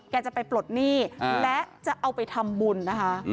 จะไปปลดหนี้และจะเอาไปทำบุญนะคะ